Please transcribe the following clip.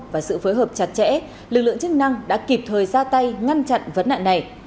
và sự phối hợp chặt chẽ lực lượng chức năng đã kịp thời ra tay ngăn chặn vấn nạn này